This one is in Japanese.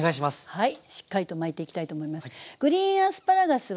はい。